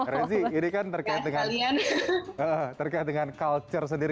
rezi ini kan terkait dengan culture sendiri